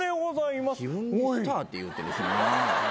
自分でスターって言うてるしな。